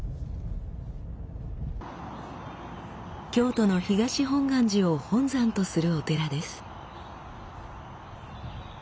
京都の東本願寺を本山とするお寺です。